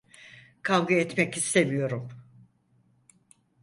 Kavga etmek istemiyorum.